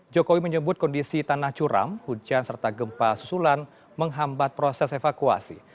jokowi menyebut kondisi tanah curam hujan serta gempa susulan menghambat proses evakuasi